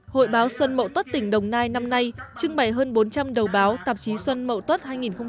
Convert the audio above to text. hội báo xuân mậu tuất tỉnh đồng nai năm nay trưng bày hơn bốn trăm linh đầu báo tạp chí xuân mậu tuất hai nghìn hai mươi